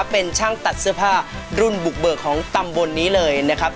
เป็นช่างตัดเสื้อผ้ารุ่นบุกเบิกของตำบลนี้เลยนะครับ